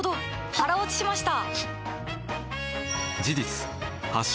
腹落ちしました！